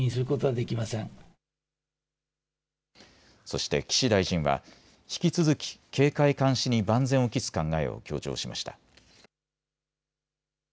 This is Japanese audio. そして岸大臣は引き続き警戒監視に万全を期す考えを強調しました。